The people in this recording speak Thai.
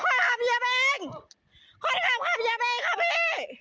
จริงตรงนี้มีสะเบียนมาทำไม